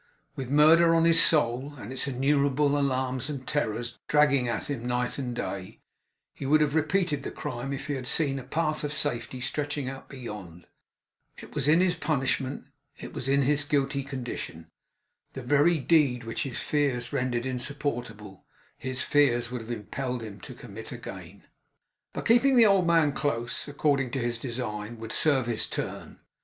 With murder on his soul, and its innumerable alarms and terrors dragging at him night and day, he would have repeated the crime, if he had seen a path of safety stretching out beyond. It was in his punishment; it was in his guilty condition. The very deed which his fears rendered insupportable, his fears would have impelled him to commit again. But keeping the old man close, according to his design, would serve his turn.